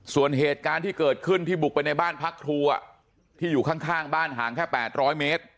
ส่วนเหตุการณ์ที่เกิดขึ้นที่บุกไปในบ้านพักครูที่อยู่ข้างบ้านห่างแค่๘๐๐เมตร